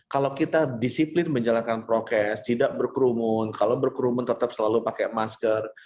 kalau kita disiplin menjalankan prokes tidak berkerumun kalau berkerumun tetap selalu pakai masker